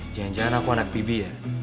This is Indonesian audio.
jangan jangan aku anak pibi ya